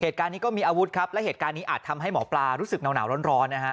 เหตุการณ์นี้ก็มีอาวุธครับและเหตุการณ์นี้อาจทำให้หมอปลารู้สึกหนาวร้อนนะฮะ